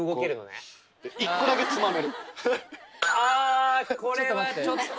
ああこれはちょっと。